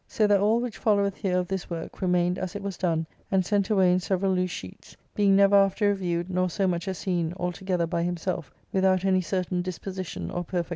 So that all which followeth here of this work remained as it was done and sent away in several loose sheets^ being never after reviewed nor so much as seen altogether by himself with ■ out any certain disposition or perfect order.